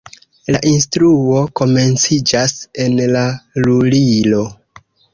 La instruo komenciĝas en la lulilo.